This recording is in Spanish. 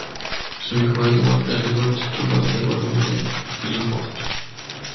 Su hijo Edward heredó el título de Barón de Clifford.